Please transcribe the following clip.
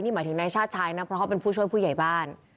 หมายถึงนายชาติชายนะเพราะเขาเป็นผู้ช่วยผู้ใหญ่บ้าน